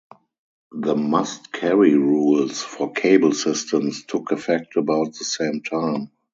The must-carry rules for cable systems took effect about the same time.